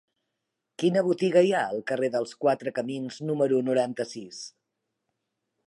Quina botiga hi ha al carrer dels Quatre Camins número noranta-sis?